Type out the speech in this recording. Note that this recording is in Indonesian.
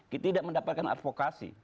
kita tidak mendapatkan advokasi